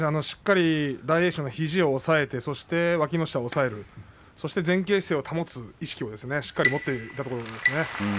しっかりと大栄翔の肘を押さえてわきの下を押さえるそして前傾姿勢を保つ意識をしっかりと持っていたところですね。